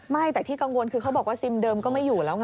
ไม่แต่ที่กังวลคือเขาบอกว่าซิมเดิมก็ไม่อยู่แล้วไง